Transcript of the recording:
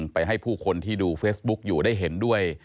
ให้ผู้คนที่ดูเฟซบุ๊กอยู่ได้เห็นด้วย